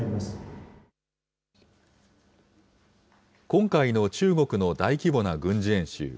今回の中国の大規模な軍事演習。